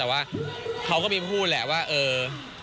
แต่ว่าเขาก็มีพูดแหละว่าเออ